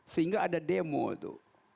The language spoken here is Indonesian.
sehingga ada demo itu